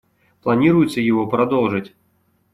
Планируется его продолжить.